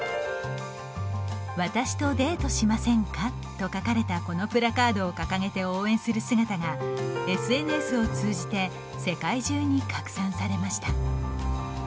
「私とデートしませんか」と書かれたこのプラカードを掲げて応援する姿がＳＮＳを通じて世界中に拡散されました。